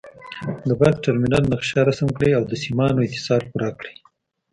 د بکس ټرمینل نقشه رسم کړئ او د سیمانو اتصال پوره کړئ.